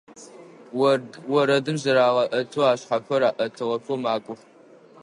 Орэдым зырагъэӀэтэу, ашъхьэхэр Ӏэтыгъэхэу макӀох.